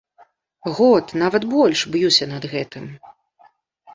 Год, нават больш б'юся над гэтым.